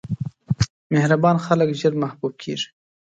مهربان خلک ژر محبوب کېږي.